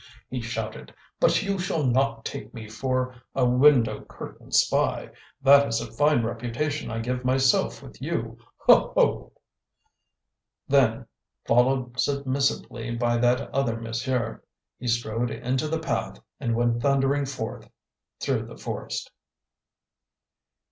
he shouted. "But you shall not take me for a window curtain spy! That is a fine reputation I give myself with you! Ho, ho!" Then, followed submissively by "that other monsieur," he strode into the path and went thundering forth through the forest.